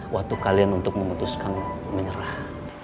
waktu kalian untuk memutuskan menyerah